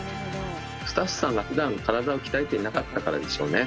スタッフさんがふだん体を鍛えていなかったからでしょうね。